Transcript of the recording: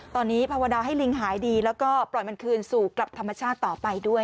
ตอนนี้ภาวนาให้ลิงหายดีแล้วก็ปล่อยมันคืนสู่กลับธรรมชาติต่อไปด้วย